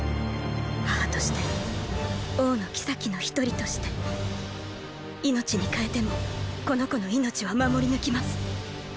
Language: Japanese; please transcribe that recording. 母として王の后の一人として命にかえてもこの子の命は守り抜きます。